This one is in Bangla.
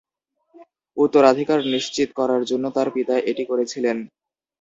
উত্তরাধিকার নিশ্চিত করার জন্য তাঁর পিতা এটি করেছিলেন।